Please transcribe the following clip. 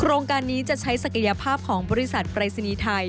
โรงการนี้จะใช้ศักยภาพของบริษัทปรายศนีย์ไทย